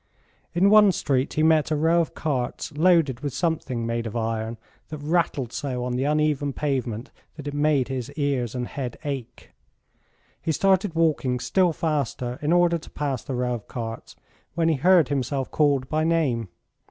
In one street he met a row of carts loaded with something made of iron, that rattled so on the uneven pavement that it made his ears and head ache. He started walking still faster in order to pass the row of carts, when he heard himself called by name.